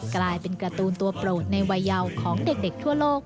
กลายเป็นการ์ตูนตัวโปรดในวัยยาวของเด็กทั่วโลก